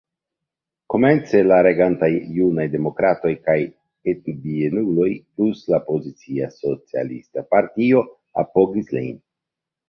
Komence la regantaj Junaj Demokratoj kaj Etbienuloj plus la opozicia Socialista Partio apogis lin.